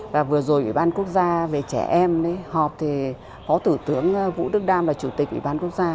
và vừa rồi ủy ban quốc gia về trẻ em họp thì phó thủ tướng vũ đức đam là chủ tịch ủy ban quốc gia